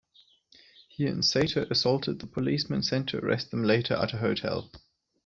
He and Saito assaulted the policemen sent to arrest them later at a hotel.